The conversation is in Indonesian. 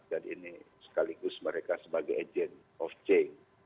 jadi ini sekaligus mereka sebagai agent of change